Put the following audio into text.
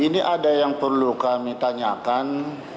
ini ada yang perlu kami tanyakan